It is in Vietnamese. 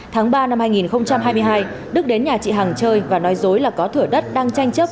tháng ba năm hai nghìn hai mươi hai đức đến nhà chị hằng chơi và nói dối là có thửa đất đang tranh chấp